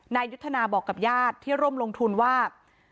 นายยุทธนาบอกกับญาติที่ร่วมลงทุนว่า